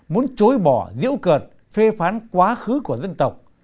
muốn chối bỏ diễu cợt phê phán quá khứ của dân tộc